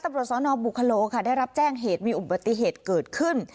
ตำรวจสนบุคโลค่ะได้รับแจ้งเหตุมีอุบัติเหตุเกิดขึ้น